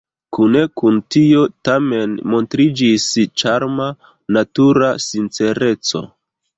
Kune kun tio, tamen, montriĝis ĉarma, natura sincereco.